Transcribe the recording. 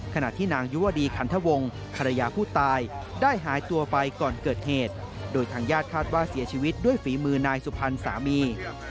คาดว่าเสียชีวิตด้วยฝีมือนายสุพรรณสามี